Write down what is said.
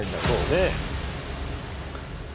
そうね。